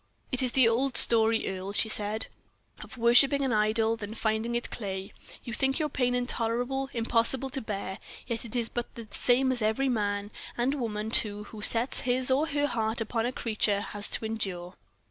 "It is the old story, Earle," she said, "of worshiping an idol, then finding it clay. You think your pain intolerable, impossible to bear; yet it is but the same as every man, and woman, too, who sets his or her heart upon a creature has to endure.